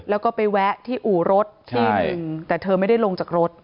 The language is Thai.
แล้วก็ไปแวะที่อู่รถที่หนึ่งแต่เธอไม่ได้ลงจากรถ